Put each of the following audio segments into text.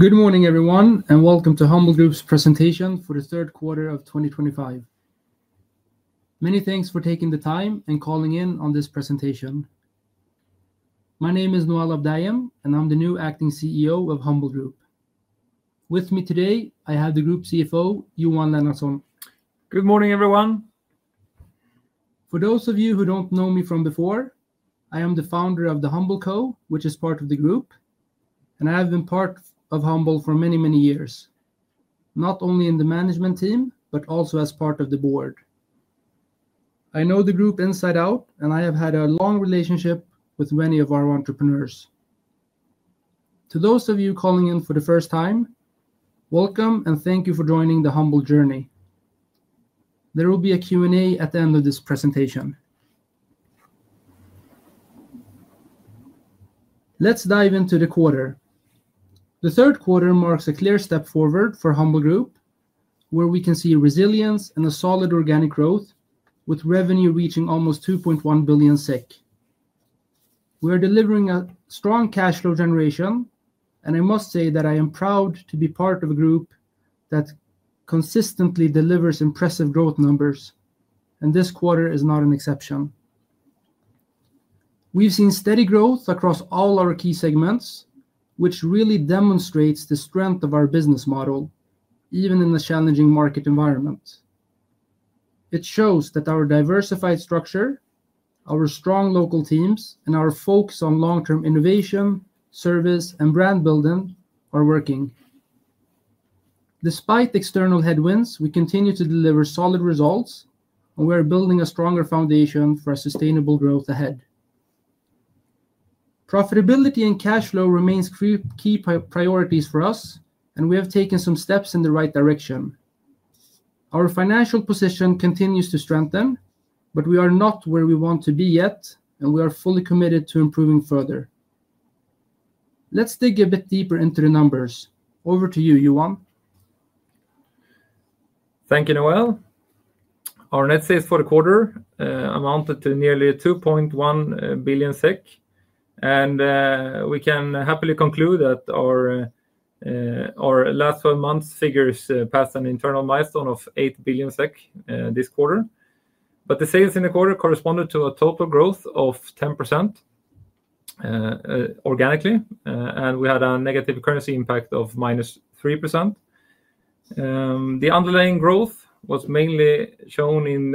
Good morning, everyone, and welcome to Humble Group's presentation for the third quarter of 2025. Many thanks for taking the time and calling in on this presentation. My name is Noel Abdayem, and I'm the new Acting CEO of Humble Group. With me today, I have the Group CFO, Johan Lennartsson. Good morning, everyone. For those of you who don't know me from before, I am the founder of the Humble Co., which is part of the group, and I have been part of Humble for many, many years, not only in the management team but also as part of the board. I know the group inside out, and I have had a long relationship with many of our entrepreneurs. To those of you calling in for the first time, welcome and thank you for joining the Humble journey. There will be a Q&A at the end of this presentation. Let's dive into the quarter. The third quarter marks a clear step forward for Humble Group, where we can see resilience and a solid organic growth, with revenue reaching almost 2.1 billion SEK. We are delivering a strong cash flow generation, and I must say that I am proud to be part of a group that consistently delivers impressive growth numbers, and this quarter is not an exception. We've seen steady growth across all our key segments, which really demonstrates the strength of our business model, even in a challenging market environment. It shows that our diversified structure, our strong local teams, and our focus on long-term innovation, service, and brand building are working. Despite external headwinds, we continue to deliver solid results, and we are building a stronger foundation for sustainable growth ahead. Profitability and cash flow remain key priorities for us, and we have taken some steps in the right direction. Our financial position continues to strengthen, but we are not where we want to be yet, and we are fully committed to improving further. Let's dig a bit deeper into the numbers. Over to you, Johan. Thank you, Noel. Our net sales for the quarter amounted to nearly 2.1 billion SEK, and we can happily conclude that our last 12 months' figures passed an internal milestone of 8 billion SEK this quarter. The sales in the quarter corresponded to a total growth of 10% organically, and we had a negative currency impact of -3%. The underlying growth was mainly shown in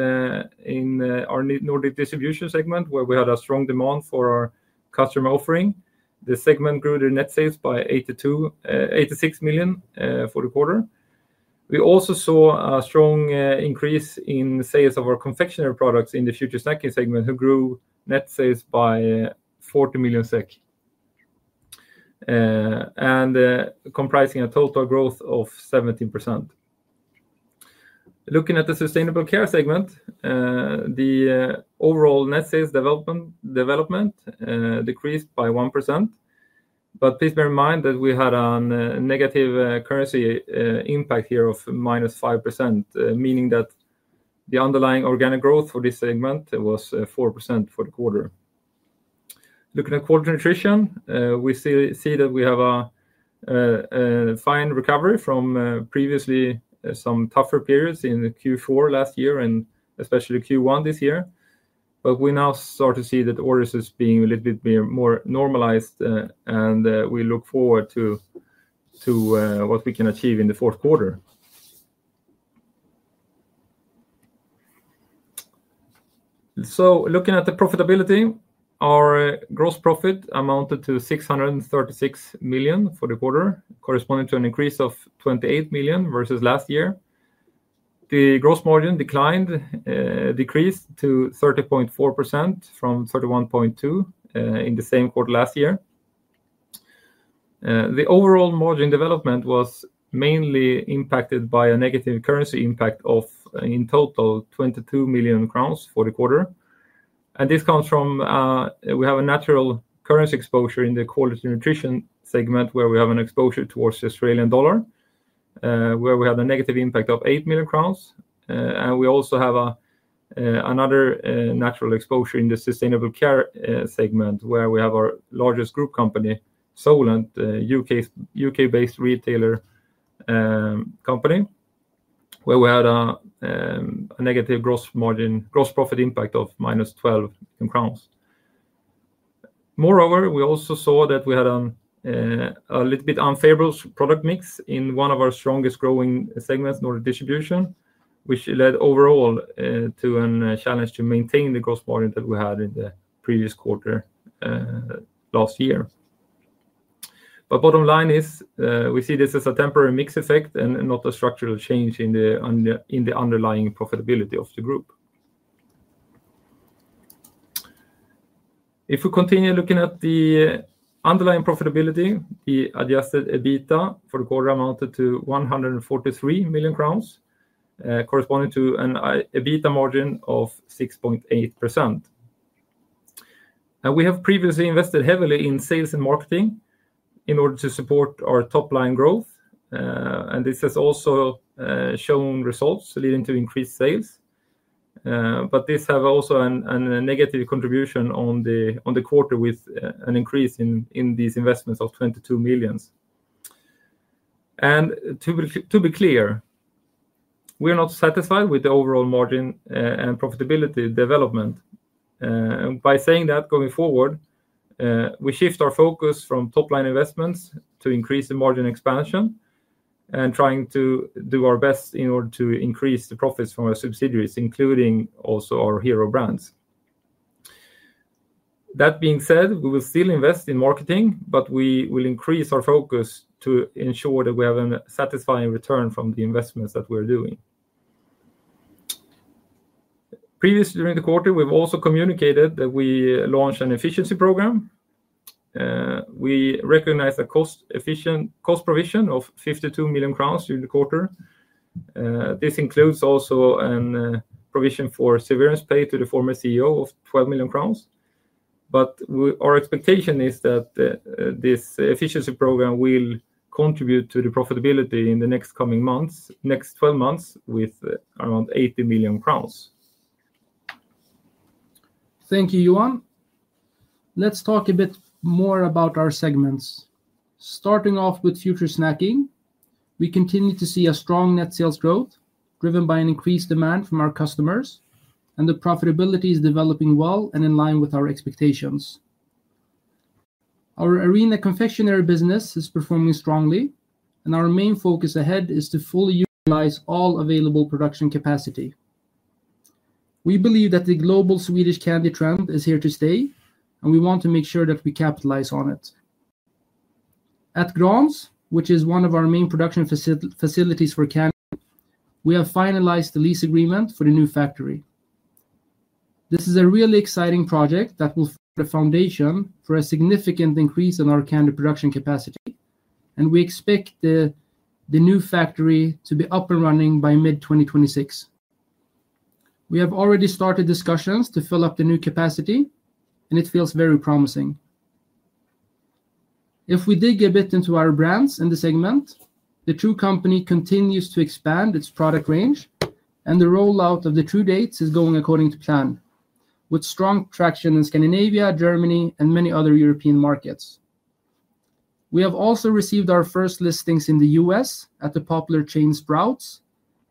our Nordic Distribution segment, where we had a strong demand for our customer offering. The segment grew their net sales by 86 million for the quarter. We also saw a strong increase in sales of our confectionery products in the Future Snacking segment, which grew net sales by 40 million SEK, comprising a total growth of 17%. Looking at the Sustainable Care segment, the overall net sales development decreased by 1%, but please bear in mind that we had a negative currency impact here of -5%, meaning that the underlying organic growth for this segment was 4% for the quarter. Looking at Quality Nutrition, we see that we have a fine recovery from previously some tougher periods in Q4 last year and especially Q1 this year, but we now start to see that orders are being a little bit more normalized, and we look forward to what we can achieve in the fourth quarter. Looking at the profitability, our gross profit amounted to 636 million for the quarter, corresponding to an increase of 28 million versus last year. The gross margin decreased to 30.4% from 31.2% in the same quarter last year. The overall margin development was mainly impacted by a negative currency impact of, in total, 22 million crowns for the quarter, and this comes from we have a natural currency exposure in the Quality Nutrition segment, where we have an exposure towards the Australian dollar, where we had a negative impact of 8 million crowns, and we also have another natural exposure in the Sustainable Care segment, where we have our largest group company, Solent, a U.K.-based retailer company, where we had a negative gross profit impact of -12 million crowns. Moreover, we also saw that we had a little bit unfavorable product mix in one of our strongest growing segments, Nordic Distribution, which led overall to a challenge to maintain the gross margin that we had in the previous quarter last year. The bottom line is, we see this as a temporary mix effect and not a structural change in the underlying profitability of the group. If we continue looking at the underlying profitability, the adjusted EBITDA for the quarter amounted to 143 million crowns, corresponding to an EBITDA margin of 6.8%. We have previously invested heavily in sales and marketing in order to support our top-line growth, and this has also shown results leading to increased sales, but this has also had a negative contribution on the quarter with an increase in these investments of 22 million. To be clear, we are not satisfied with the overall margin and profitability development. By saying that, going forward, we shift our focus from top-line investments to increasing margin expansion and trying to do our best in order to increase the profits from our subsidiaries, including also our hero brands. That being said, we will still invest in marketing, but we will increase our focus to ensure that we have a satisfying return from the investments that we are doing. Previously, during the quarter, we've also communicated that we launched an efficiency program. We recognize the cost provision of 52 million crowns during the quarter. This includes also a provision for severance pay to the former CEO of 12 million crowns, but our expectation is that this efficiency program will contribute to the profitability in the next coming months, next 12 months, with around 80 million crowns. Thank you, Johan. Let's talk a bit more about our segments. Starting off with Future Snacking, we continue to see a strong net sales growth, driven by an increased demand from our customers, and the profitability is developing well and in line with our expectations. Our arena confectionery business is performing strongly, and our main focus ahead is to fully utilize all available production capacity. We believe that the global Swedish candy trend is here to stay, and we want to make sure that we capitalize on it. At Gräns, which is one of our main production facilities for candy, we have finalized the lease agreement for the new factory. This is a really exciting project that will form the foundation for a significant increase in our candy production capacity, and we expect the new factory to be up and running by mid-2026. We have already started discussions to fill up the new capacity, and it feels very promising. If we dig a bit into our brands in the segment, the True company continues to expand its product range, and the rollout of the True Dates is going according to plan, with strong traction in Scandinavia, Germany, and many other European markets. We have also received our first listings in the U.S. at the popular chain Sprouts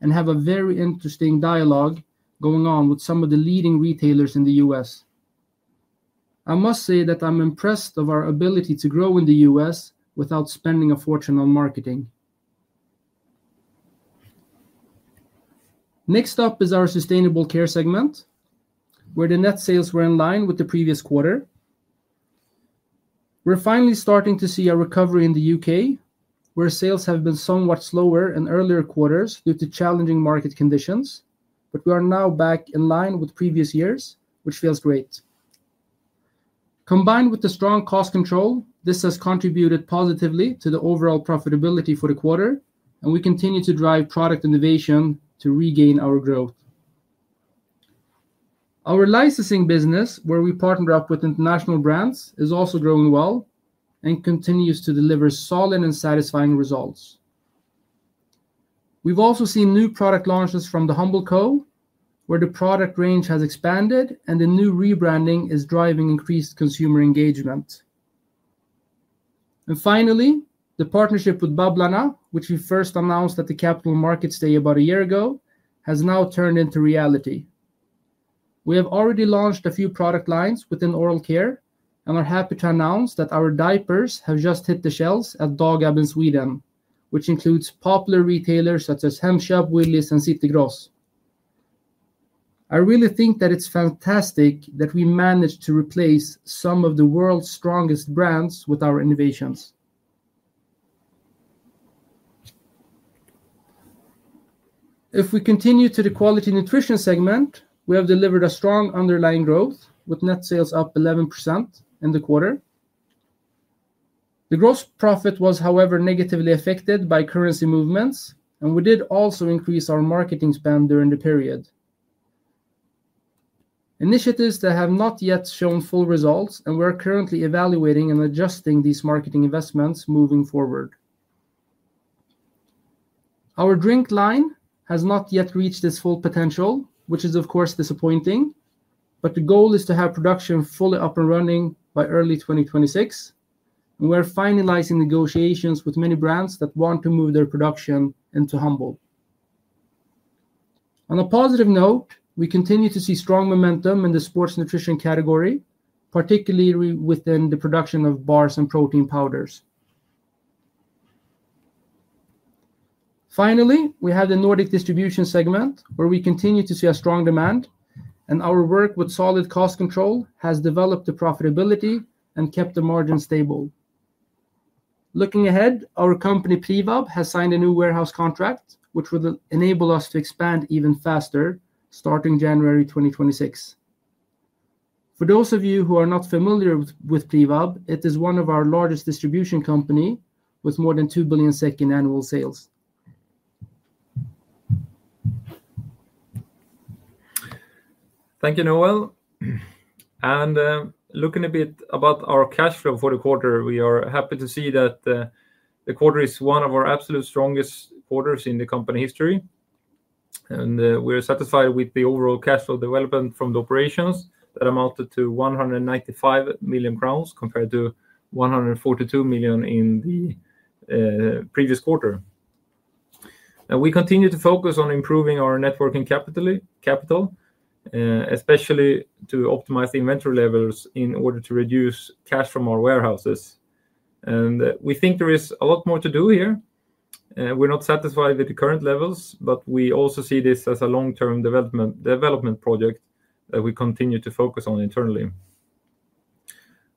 and have a very interesting dialogue going on with some of the leading retailers in the U.S. I must say that I'm impressed of our ability to grow in the U.S. without spending a fortune on marketing. Next up is our Sustainable Care segment, where the net sales were in line with the previous quarter. We're finally starting to see a recovery in the UK, where sales have been somewhat slower in earlier quarters due to challenging market conditions, but we are now back in line with previous years, which feels great. Combined with the strong cost control, this has contributed positively to the overall profitability for the quarter, and we continue to drive product innovation to regain our growth. Our licensing business, where we partner up with international brands, is also growing well and continues to deliver solid and satisfying results. We've also seen new product launches from the Humble Co., where the product range has expanded and the new rebranding is driving increased consumer engagement. Finally, the partnership with Bablana, which we first announced at the Capital Markets Day about a year ago, has now turned into reality. We have already launched a few product lines within oral care and are happy to announce that our diapers have just hit the shelves at Dagab in Sweden, which includes popular retailers such as Hemshab, Willys, and City Gross. I really think that it's fantastic that we managed to replace some of the world's strongest brands with our innovations. If we continue to the Quality Nutrition segment, we have delivered a strong underlying growth, with net sales up 11% in the quarter. The gross profit was, however, negatively affected by currency movements, and we did also increase our marketing spend during the period. Initiatives that have not yet shown full results, and we are currently evaluating and adjusting these marketing investments moving forward. Our drink line has not yet reached its full potential, which is, of course, disappointing, but the goal is to have production fully up and running by early 2026, and we are finalizing negotiations with many brands that want to move their production into Humble Group. On a positive note, we continue to see strong momentum in the sports nutrition category, particularly within the production of bars and protein powders. Finally, we have the Nordic Distribution segment, where we continue to see a strong demand, and our work with solid cost control has developed the profitability and kept the margin stable. Looking ahead, our company, Priwab, has signed a new warehouse contract, which will enable us to expand even faster, starting January 2026. For those of you who are not familiar with Priwab, it is one of our largest distribution companies, with more than 2 billion in annual sales. Thank you, Noel. Looking a bit about our cash flow for the quarter, we are happy to see that the quarter is one of our absolute strongest quarters in the company history, and we are satisfied with the overall cash flow development from the operations that amounted to 195 million crowns compared to 142 million in the previous quarter. We continue to focus on improving our net working capital, especially to optimize the inventory levels in order to reduce cash from our warehouses, and we think there is a lot more to do here. We're not satisfied with the current levels, but we also see this as a long-term development project that we continue to focus on internally.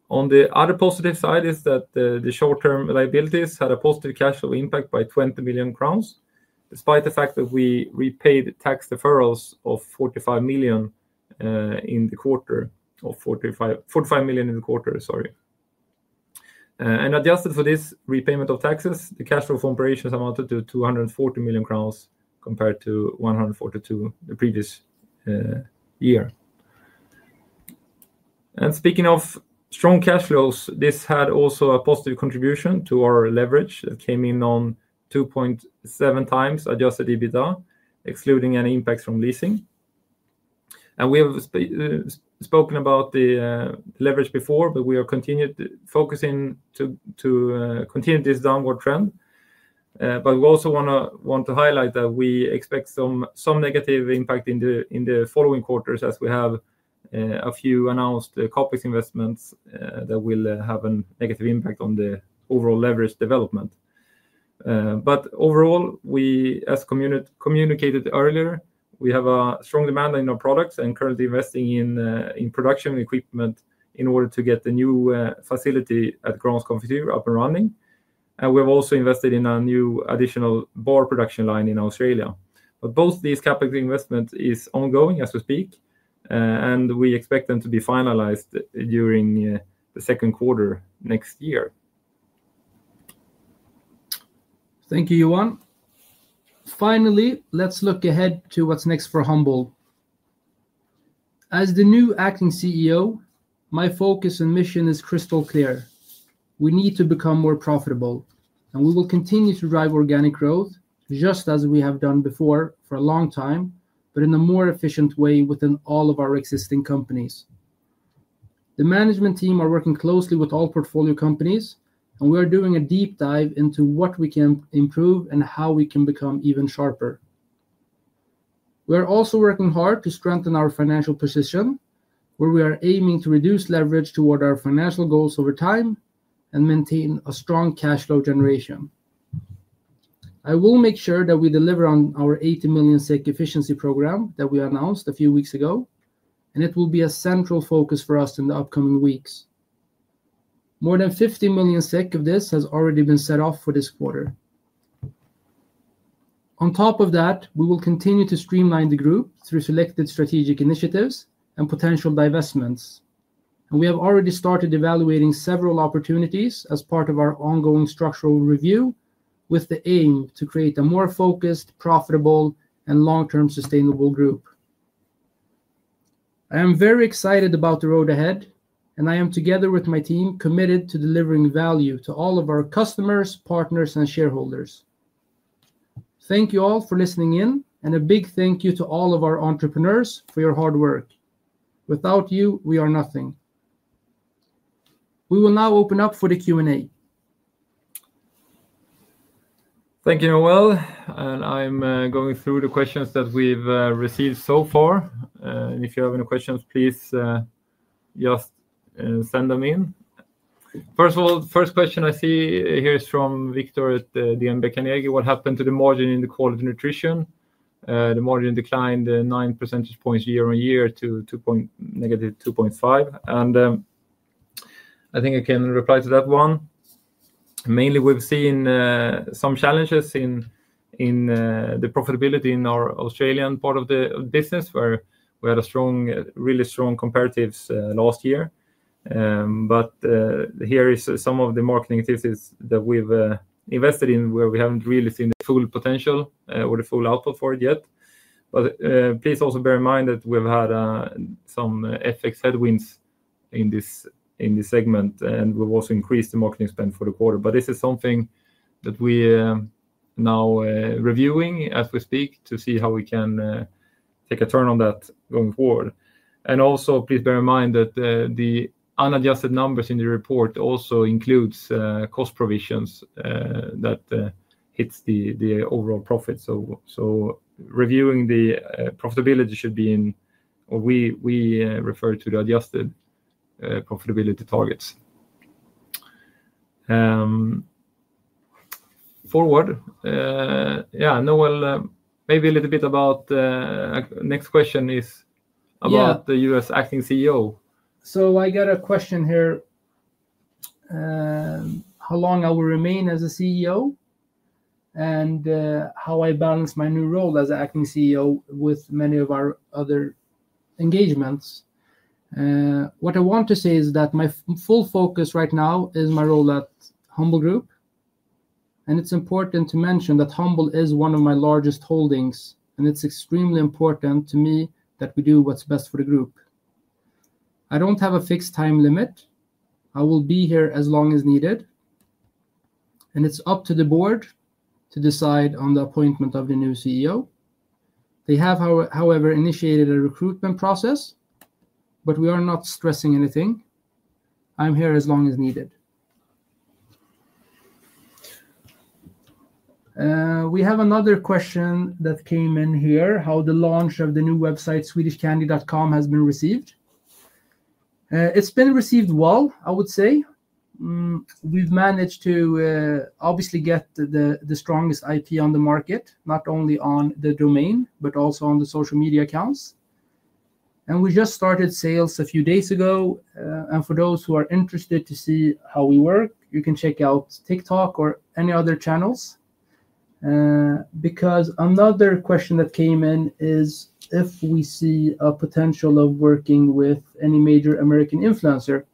On the other positive side, the short-term liabilities had a positive cash flow impact by 20 million crowns, despite the fact that we repaid tax deferrals of 45 million in the quarter, and adjusted for this repayment of taxes, the cash flow from operations amounted to 240 million crowns compared to 142 million the previous year. Speaking of strong cash flows, this had also a positive contribution to our leverage that came in on 2.7x adjusted EBITDA, excluding any impacts from leasing. We have spoken about the leverage before, but we are continuing to focus on this downward trend, but we also want to highlight that we expect some negative impact in the following quarters, as we have a few announced corpus investments that will have a negative impact on the overall leverage development. Overall, as communicated earlier, we have a strong demand in our products and currently investing in production equipment in order to get the new facility at Grahns Konfektyr up and running, and we have also invested in a new additional bar production line in Australia. Both these capital investments are ongoing as we speak, and we expect them to be finalized during the second quarter next year. Thank you, Johan. Finally, let's look ahead to what's next for Humble Group. As the new Acting CEO, my focus and mission are crystal clear. We need to become more profitable, and we will continue to drive organic growth, just as we have done before for a long time, but in a more efficient way within all of our existing companies. The management team is working closely with all portfolio companies, and we are doing a deep dive into what we can improve and how we can become even sharper. We are also working hard to strengthen our financial position, where we are aiming to reduce leverage toward our financial goals over time and maintain a strong cash flow generation. I will make sure that we deliver on our 80 million SEK efficiency program that we announced a few weeks ago, and it will be a central focus for us in the upcoming weeks. More than 50 million SEK of this has already been set off for this quarter. On top of that, we will continue to streamline the group through selected strategic initiatives and potential divestments, and we have already started evaluating several opportunities as part of our ongoing structural review, with the aim to create a more focused, profitable, and long-term sustainable group. I am very excited about the road ahead, and I am, together with my team, committed to delivering value to all of our customers, partners, and shareholders. Thank you all for listening in, and a big thank you to all of our entrepreneurs for your hard work. Without you, we are nothing. We will now open up for the Q&A. Thank you, Noel, and I'm going through the questions that we've received so far. If you have any questions, please just send them in. First of all, the first question I see here is from Victor at DM Beckanegge. What happened to the margin in the Quality Nutrition? The margin declined 9% year on year to -2.5%, and I think I can reply to that one. Mainly, we've seen some challenges in the profitability in our Australian part of the business, where we had really strong comparatives last year. Here are some of the marketing activities that we've invested in, where we haven't really seen the full potential or the full output for it yet. Please also bear in mind that we've had some FX headwinds in this segment, and we've also increased the marketing spend for the quarter. This is something that we are now reviewing as we speak to see how we can take a turn on that going forward. Also, please bear in mind that the unadjusted numbers in the report also include cost provisions that hit the overall profit, so reviewing the profitability should be in what we refer to as the adjusted profitability targets. Forward. Yeah, Noel, maybe a little bit about the next question is about the U.S. acting CEO. I got a question here. How long I will remain as CEO and how I balance my new role as the Acting CEO with many of our other engagements. What I want to say is that my full focus right now is my role at Humble Group, and it's important to mention that Humble is one of my largest holdings, and it's extremely important to me that we do what's best for the group. I don't have a fixed time limit. I will be here as long as needed, and it's up to the board to decide on the appointment of the new CEO. They have, however, initiated a recruitment process, but we are not stressing anything. I'm here as long as needed. We have another question that came in here, how the launch of the new website, SwedishCandy.com, has been received. It's been received well, I would say. We've managed to obviously get the strongest IP on the market, not only on the domain but also on the social media accounts, and we just started sales a few days ago. For those who are interested to see how we work, you can check out TikTok or any other channels. Another question that came in is if we see a potential of working with any major American influencer,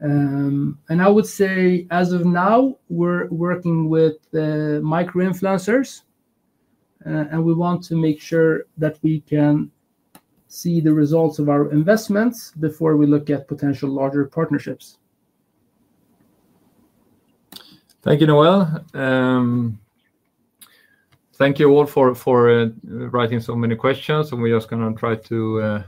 and I would say as of now, we're working with micro-influencers, and we want to make sure that we can see the results of our investments before we look at potential larger partnerships. Thank you, Noel. Thank you all for writing so many questions, and we're just going to try to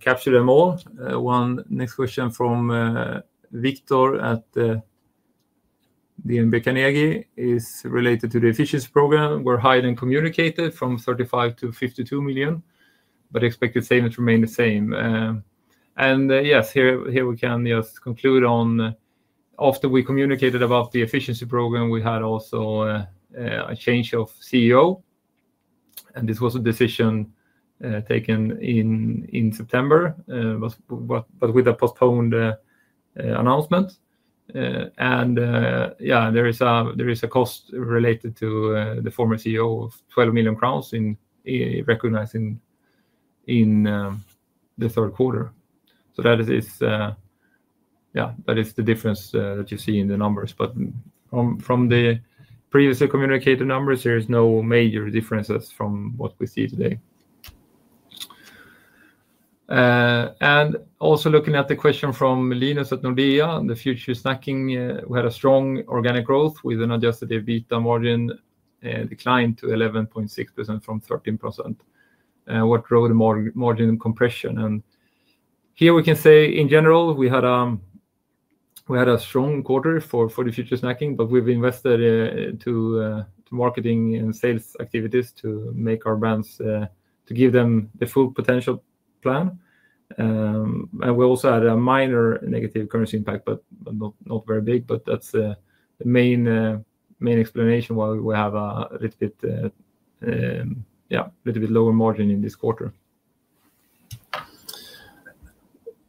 capture them all. One next question from Victor at DM Beckanegge is related to the efficiency program. We're highly communicated from 35 million to 52 million, but expected savings remain the same. Yes, here we can just conclude on after we communicated about the efficiency program, we had also a change of CEO, and this was a decision taken in September, but with a postponed announcement. There is a cost related to the former CEO of 12 million crowns recognized in the third quarter. That is the difference that you see in the numbers, but from the previously communicated numbers, there are no major differences from what we see today. Also looking at the question from Linus at Nordea, the Future Snacking, we had a strong organic growth with an adjusted EBITDA margin that declined to 11.6% from 13%. What drove the margin compression? Here we can say, in general, we had a strong quarter for the Future Snacking, but we've invested into marketing and sales activities to make our brands to give them the full potential plan. We also had a minor negative currency impact, but not very big, but that's the main explanation why we have a little bit lower margin in this quarter.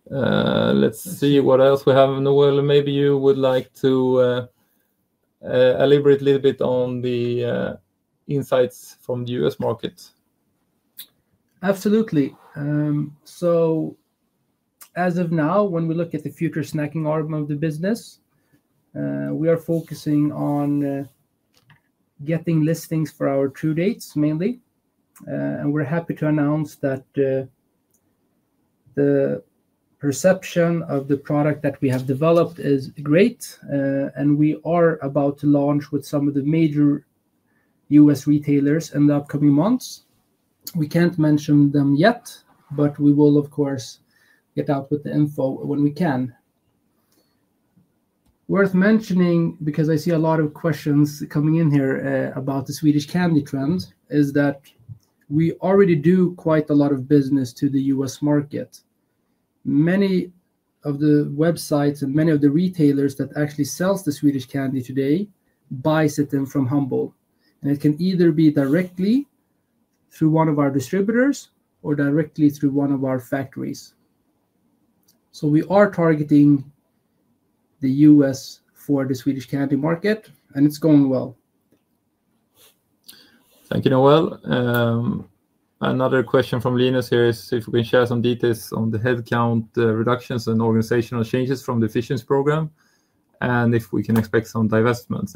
Let's see what else we have. Noel, maybe you would like to elaborate a little bit on the insights from the U.S. market. Absolutely. As of now, when we look at the Future Snacking arm of the business, we are focusing on getting listings for our true dates mainly, and we're happy to announce that the perception of the product that we have developed is great, and we are about to launch with some of the major U.S. retailers in the upcoming months. We can't mention them yet, but we will, of course, get out with the info when we can. Worth mentioning, because I see a lot of questions coming in here about the Swedish Candy trend, is that we already do quite a lot of business to the U.S. market. Many of the websites and many of the retailers that actually sell the Swedish Candy today buy something from Humble, and it can either be directly through one of our distributors or directly through one of our factories. We are targeting the U.S. for the Swedish Candy market, and it's going well. Thank you, Noel. Another question from Linus here is if we can share some details on the headcount reductions and organizational changes from the efficiency program and if we can expect some divestments.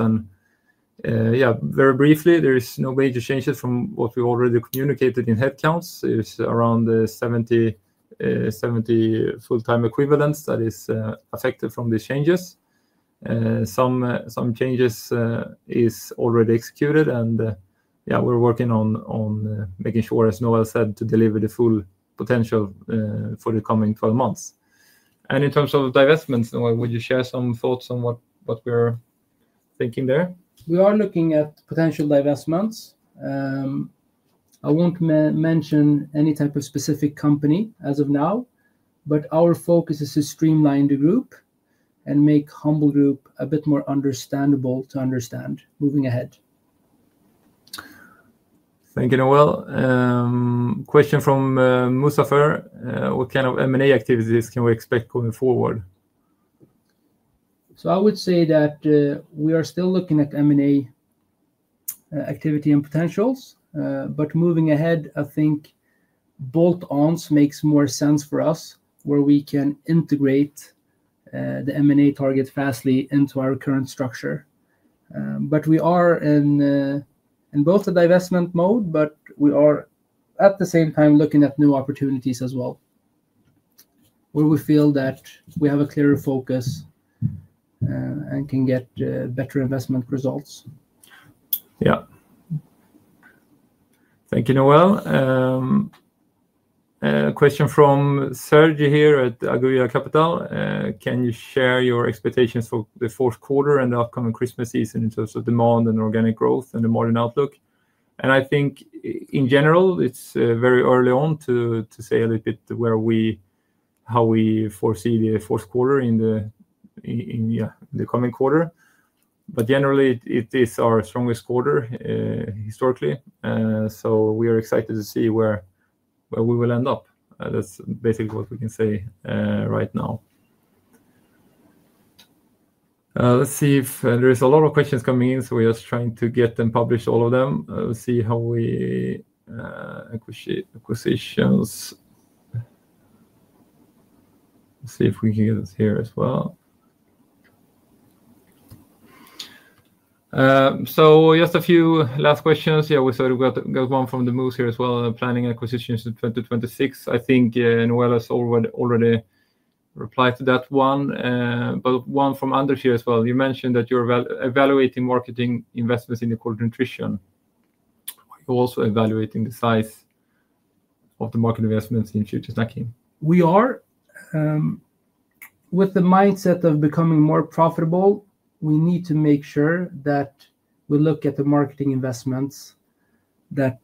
Very briefly, there are no major changes from what we already communicated in headcounts. It's around 70 FTEs that are affected from these changes. Some changes are already executed, and we're working on making sure, as Noel said, to deliver the full potential for the coming 12 months. In terms of divestments, Noel, would you share some thoughts on what we are thinking there? We are looking at potential divestments. I won't mention any type of specific company as of now, but our focus is to streamline the group and make Humble Group a bit more understandable to understand moving ahead. Thank you, Noel. Question from Mustafar. What kind of M&A activities can we expect going forward? I would say that we are still looking at M&A activity and potentials, but moving ahead, I think bolt-ons makes more sense for us, where we can integrate the M&A target fastly into our current structure. We are in both a divestment mode, but we are, at the same time, looking at new opportunities as well, where we feel that we have a clearer focus and can get better investment results. Thank you, Noel. Question from Serge here at Agria Capital. Can you share your expectations for the fourth quarter and the upcoming Christmas season in terms of demand and organic growth and the margin outlook? In general, it's very early on to say a little bit how we foresee the fourth quarter in the coming quarter, but generally, it is our strongest quarter historically, so we are excited to see where we will end up. That's basically what we can say right now. There are a lot of questions coming in, so we're just trying to get them published, all of them. Let's see how we acquisitions. Let's see if we can get it here as well. Just a few last questions. We saw we got one from the Moose here as well, planning acquisitions in 2026. I think Noel has already replied to that one, but one from Anders here as well. You mentioned that you're evaluating marketing investments in the Quality Nutrition. Are you also evaluating the size of the market investments in Future Snacking? We are, with the mindset of becoming more profitable, we need to make sure that we look at the marketing investments that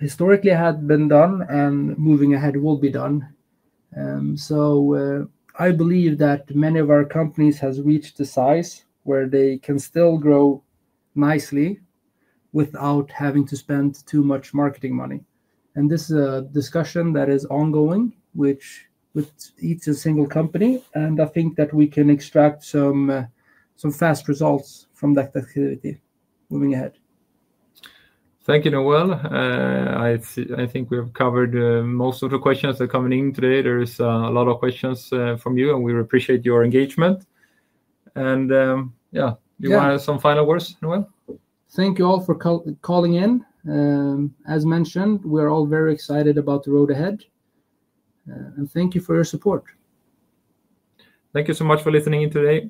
historically had been done and moving ahead will be done. I believe that many of our companies have reached the size where they can still grow nicely without having to spend too much marketing money. This is a discussion that is ongoing with each single company, and I think that we can extract some fast results from that activity moving ahead. Thank you, Noel. I think we have covered most of the questions that are coming in today. There are a lot of questions from you, and we appreciate your engagement. Yeah, do you want to have some final words, Noel? Thank you all for calling in. As mentioned, we are all very excited about the road ahead, and thank you for your support. Thank you so much for listening in today.